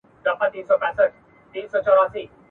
سجده د عقل کښېږدم